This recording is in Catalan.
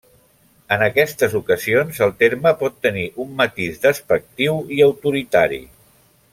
En aquestes ocasions el terme pot tenir un matís despectiu i autoritari.